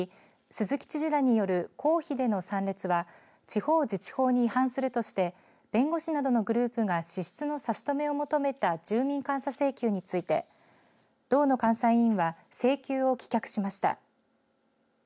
鈴木知事らによる公費での参列は地方自治法に違反するとして弁護士などのグループが支出の差し止めを求めた住民監査請求について道の監査委員は請求を棄却しました。